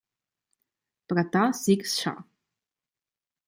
Pratap Singh Shah